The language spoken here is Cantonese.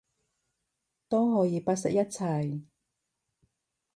都可以不惜一切